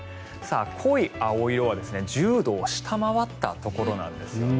濃い青色は１０度を下回ったところなんですよね。